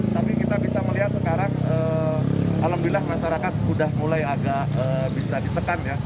tapi kita bisa melihat sekarang alhamdulillah masyarakat sudah mulai agak bisa ditekan ya